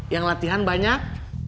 yang latihan banyak